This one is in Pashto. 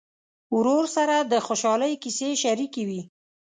ورور سره د خوشحالۍ کیسې شريکې وي.